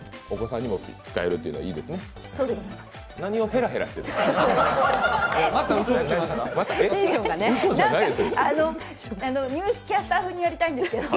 お子さんにも使えるというのはいいですね。